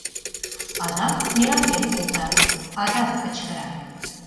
Адак нералтен колта, — адак кычкыра.